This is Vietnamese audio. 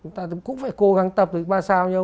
chúng ta cũng phải cố gắng tập được ba sao nhau